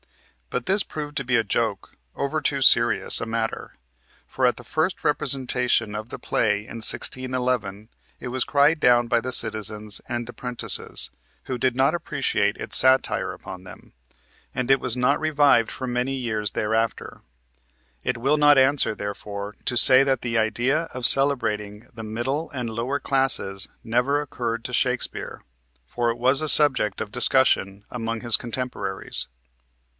But this proved to be a joke over too serious a matter, for at the first representation of the play in 1611 it was cried down by the citizens and apprentices, who did not appreciate its satire upon them, and it was not revived for many years thereafter. It will not answer, therefore, to say that the idea of celebrating the middle and lower classes never occurred to Shakespeare, for it was a subject of discussion among his contemporaries.